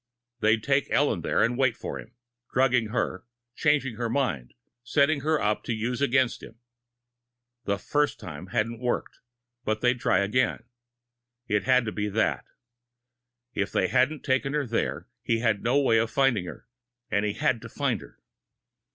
They'd take Ellen there and wait for him, drugging her, changing her mind, setting her up to use against him. The first time hadn't worked, but they'd try it again. It had to be that. If they hadn't taken her there, he had no way of finding her, and he had to find her.